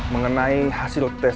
mengenai hasil tes